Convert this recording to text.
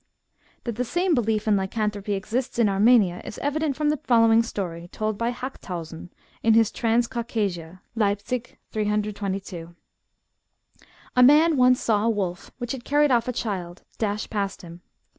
*' That the same belief in lycanthropy exists in Armenia is evident from the following story told by Ilaxthausen, in his Trans Caucasia (Leipzig, i. 322) :—'* A man once saw a wolf, which had carried off a child, dash past him.